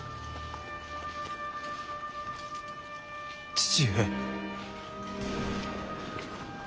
父上。